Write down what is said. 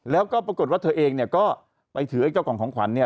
แล้วก็ปรากฏว่าเธอเองเนี่ยก็ไปถือไอ้เจ้าของของขวัญเนี่ย